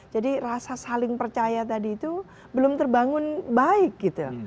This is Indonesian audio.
jadi rasa saling percaya tadi itu belum terbangun baik gitu